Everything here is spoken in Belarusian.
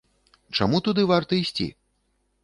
Чаму туды варта ісці?